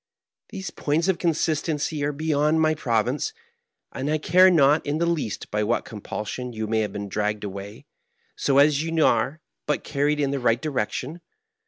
These points of consistency are beyond my province, and I care not in the least by what compulsion you may have been dragged away, so as you are but carried in the right direction.